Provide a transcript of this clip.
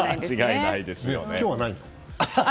今日はないの？